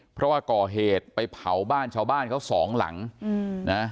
เพราะว่าก่อเหตุไปเผาบ้านชาวบ้านเขาสองหลังนะ